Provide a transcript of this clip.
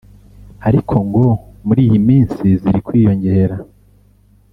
ariko ngo muri iyi minsi ziri kwiyongera